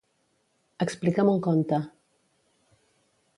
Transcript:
Explica'm un conte.